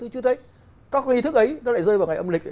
chưa thấy các nghi thức ấy nó lại rơi vào ngày âm lịch